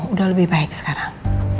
udah lebih baik sekarang